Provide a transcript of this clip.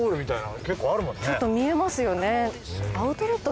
ちょっと見えますよね。